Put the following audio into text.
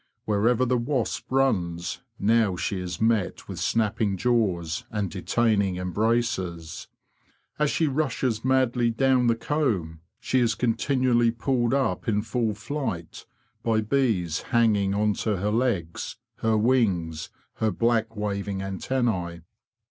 Wherever the wasp runs now she is met with snapping jaws and detaining embraces. As she rushes madly down the comb, she is continually pulled up in full flight by bees hanging on to her legs, her wings, her black waving antenne.